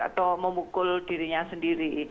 atau memukul dirinya sendiri